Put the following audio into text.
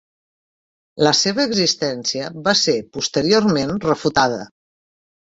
La seva existència va ser posteriorment refutada.